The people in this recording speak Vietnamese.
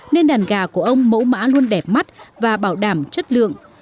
nên đàn gà của ông mẫu mã luôn đẹp mắt và bảo đảm chất lượng